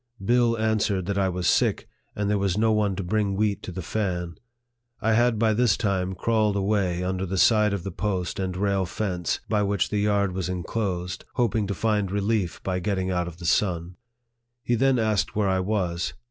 Bill answered that I was sick, and there was no one to bring wheat to the fan. I had by this time crawled away under the side of the post and rail fence by which the yard was enclosed, hoping to find relief by getting out of the sun. He then asked where I was.